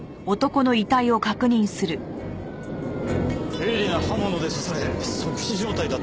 鋭利な刃物で刺され即死状態だったと思われます。